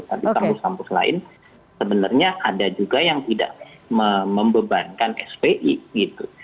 tapi kampus kampus lain sebenarnya ada juga yang tidak membebankan spi gitu